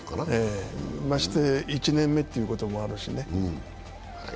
まして１年目ということもあるし。